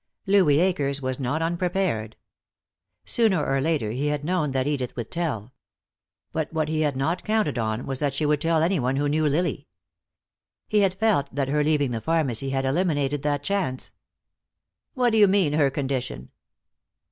Louis Akers was not unprepared. Sooner or later he had known that Edith would tell. But what he had not counted on was that she would tell any one who knew Lily. He had felt that her leaving the pharmacy had eliminated that chance. "What do you mean, her condition?"